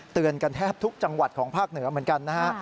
เตือนกันแทบทุกจังหวัดของภาคเหนือเหมือนกันนะฮะ